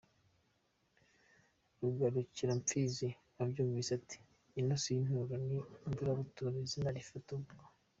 Rugarukiramfizi abyumvise ati "Ino si inturo ni imburabuturo", izina rifata ubwo.